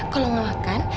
kalau gak makan